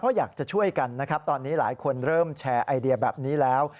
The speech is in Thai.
เพราะอยากจะช่วยกันนะครับตอนนี้หลายคนเริ่มแชร์ไอเดียแบบนี้แล้ว